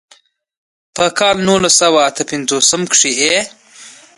پۀ کال نولس سوه اتۀ پنځوستم کښې ئې